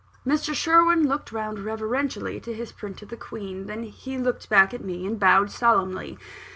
(Mr. Sherwin looked round reverentially to his print of the Queen; then looked back at me, and bowed solemnly.)